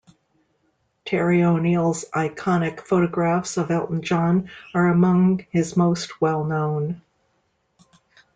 Terry O'Neill's iconic photographs of Elton John are among his most well-known.